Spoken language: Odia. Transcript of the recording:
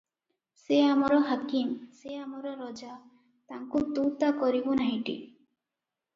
ସେ ଆମର ହାକିମ, ସେ ଆମର ରଜା ତାଙ୍କୁ ତୁ' ତା' କରିବୁ ନାହିଁଟି?